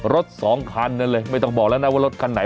รถสองคันนั้นเลยไม่ต้องบอกแล้วนะว่ารถคันไหน